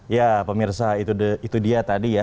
ya pemirsa itu dia tadi ya